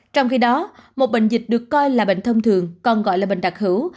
trong khi đó một bệnh dịch được coi là bệnh thông thường còn gọi là bệnh đặc hữu